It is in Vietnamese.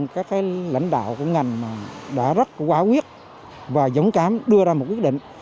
các lãnh đạo của ngành đã rất quá quyết và dũng cảm đưa ra một quyết định